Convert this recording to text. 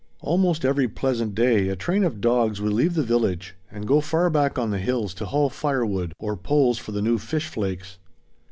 Almost every pleasant day a train of dogs would leave the village and go far back on the hills to haul fire wood, or poles for the new fish flakes.